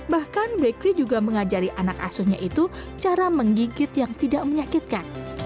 bahkan blackley juga mengajari anak asuhnya itu cara menggigit yang tidak menyakitkan